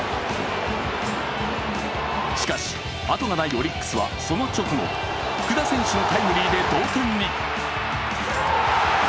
しかしあとがないオリックスはその直後福田選手のタイムリーで同点に。